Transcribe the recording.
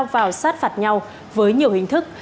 vào sát phạt nhau với nhiều hình thức